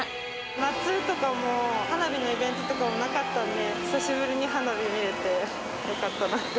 夏とかも、花火のイベントとかもなかったので、久しぶりに花火見れて、よかったなって。